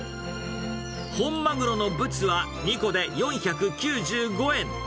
本マグロのブツは、２個で４９５円。